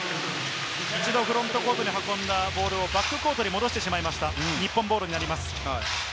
一度フロントコートに運んだボールをバックコートに戻してしまいました、日本ボールです。